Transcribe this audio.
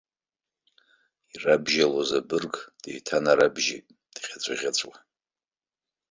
Ирабжьалоз абырг деиҭанарабжьеит, дӷьаҵәыӷьаҵәуа.